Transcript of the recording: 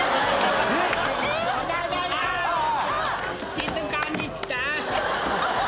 静かにして。